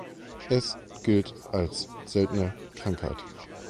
Es gilt als seltene Krankheit.